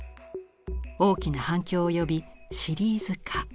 大きな反響を呼びシリーズ化。